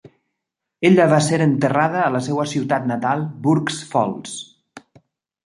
Ella va ser enterrada a la seva ciutat natal Burk"s Falls.